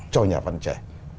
cho nhà văn trẻ